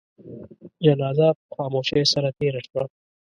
جنازه په خاموشی سره تېره شوه.